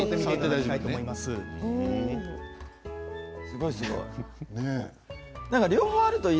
すごいすごい。